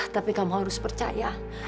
tapi kamu harus percaya